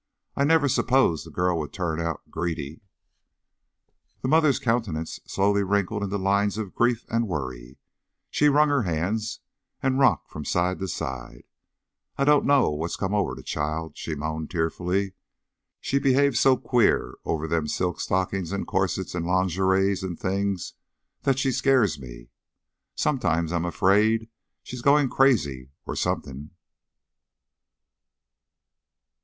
"I I never s'posed that girl would turn out greedy." The mother's countenance slowly wrinkled into lines of grief and worry, she wrung her hands and rocked from side to side. "I dunno what's come over the child," she moaned, tearfully. "She behaves so queer over them silk stockin's an' corsets an' lingeries an' things that she skeers me. Sometimes I'm afeerd she's goin' crazy or something."